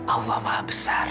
allah maha besar